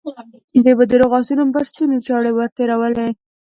دوی به د روغو آسونو پر ستونو چاړې ور تېرولې.